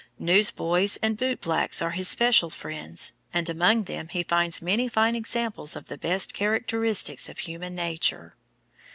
Newsboys and boot blacks are his special friends, and among them he finds many fine examples of the best characteristics of human nature.